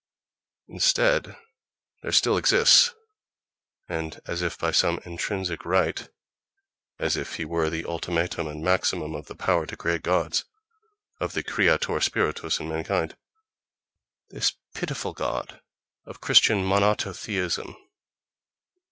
Instead, there still exists, and as if by some intrinsic right,—as if he were the ultimatum and maximum of the power to create gods, of the creator spiritus in mankind—this pitiful god of Christian monotono theism!